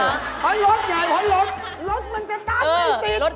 รถมันมันจะสร้างไม่ติด